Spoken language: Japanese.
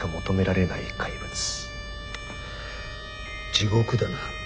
地獄だな。